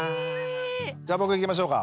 じゃあ僕いきましょうか。